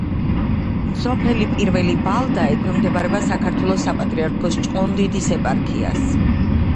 სოფელი პირველი ბალდა ექვემდებარება საქართველოს საპატრიარქოს ჭყონდიდის ეპარქიას.